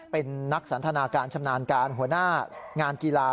เป็นนักสันทนาการชำนาญการหัวหน้างานกีฬา